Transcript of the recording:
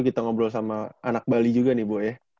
kita ngobrol sama anak bali juga nih bu ya